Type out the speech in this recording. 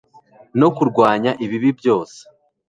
no kurwanya ibibi byose